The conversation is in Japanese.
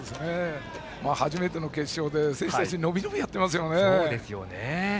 初めての決勝で選手は伸び伸びやっていますね。